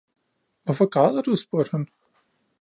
Hvorfor græder du spurgte han